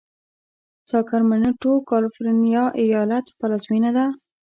ساکرمنټو د کالفرنیا ایالت پلازمېنه ده.